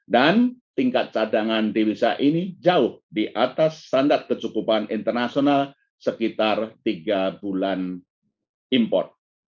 dan tingkat cadangan dewi saha ini jauh di atas standar kecukupan internasional sekitar tiga bulan import